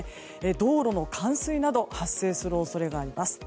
道路の冠水など発生する恐れがあります。